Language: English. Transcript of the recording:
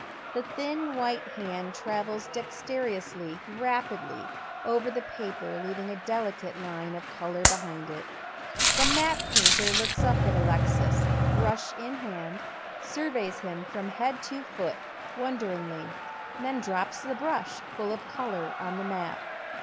The thin white hand travels dexterously, rapidly over the paper, leaving a dehcate line of colour behind it. The map painter looks up at Alexis, brush in hand, sui veys him from head to foot, wonderingly, and drops the brush, full of colour, on the map.